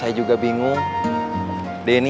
gak ada yang kabur